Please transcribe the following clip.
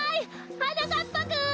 はなかっぱくん！